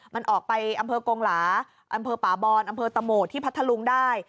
มันออกไปอำเภอกงหลาอำเภอป่าบอนอำเภอตะโหมดที่พัทธลุงได้